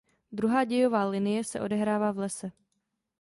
Druhá dějová linie se odehrává v Lese.